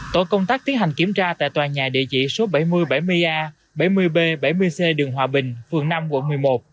tổ công tác tiến hành kiểm tra tại tòa nhà địa chỉ số bảy nghìn bảy mươi a bảy mươi b bảy mươi c đường hòa bình phường năm quận một mươi một